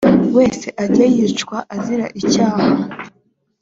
wese ajye yicwa azira icyaha